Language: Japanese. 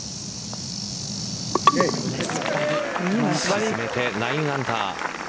沈めて９アンダー。